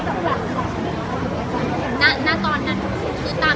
ฟ้องมันฟ้องมันมันหลายคนมาฟ้องฟ้องไม่ทันอ่ะ